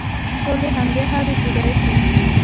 ټول د همدې خاورې ډوډۍ خوري.